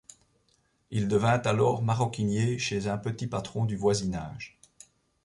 Il devint alors maroquinier chez un petit patron du voisinage.